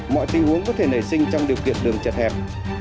mọi tình huống có thể nảy sinh trong điều kiện đường chật hẹp